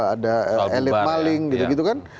ada elit maling gitu gitu kan